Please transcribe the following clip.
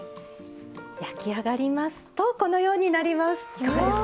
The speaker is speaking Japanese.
焼き上がりますとこのようになります。